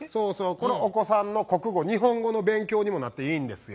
これお子さんの国語日本語の勉強にもなっていいんですよ。